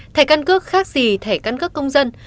thẻ căn cước khác gì thẻ căn cước công dân